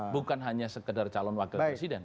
bukan hanya sekedar calon wakil presiden